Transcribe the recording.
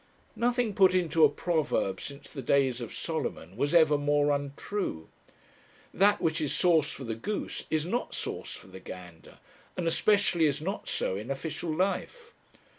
Nothing put into a proverb since the days of Solomon was ever more untrue. That which is sauce for the goose is not sauce for the gander, and especially is not so in official life.